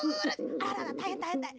あらあらたいへんたいへんたいへん。